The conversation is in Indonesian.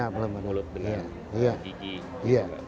mulut benar gigi